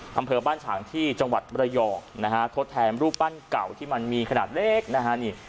อำเภอบ้านฉางที่จังหวัดมรยองนะฮะทดแทนรูปปั้นเก่าที่มันมีขนาดเล็กนะฮะนี่